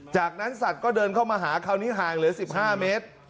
จากนั้นสัตว์ก็เดินเข้ามาหาคราวนี้ห่างเหลือ๑๕เมตร